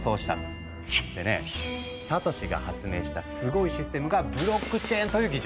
でねサトシが発明したすごいシステムが「ブロックチェーン」という技術。